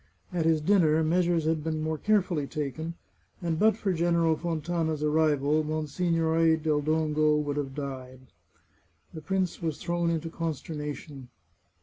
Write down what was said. At his dinner, measures had been more carefully taken, and but for General Fontana's arrival, Monsignore del Dongo would have died. The prince was thrown into consternation.